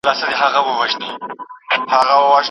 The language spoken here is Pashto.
په لاس خط لیکل د ساینس پوهانو او پوهانو لومړنۍ وسیله وه.